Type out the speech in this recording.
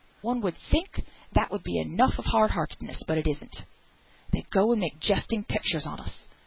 One would think that would be enough of hard heartedness, but it isn't. They go and make jesting pictures of us!